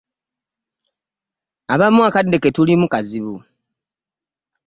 Abamu akadde ke tulimu kazibu.